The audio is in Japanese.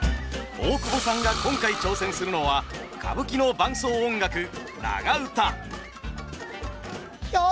大久保さんが今回挑戦するのは歌舞伎の伴奏音楽長唄。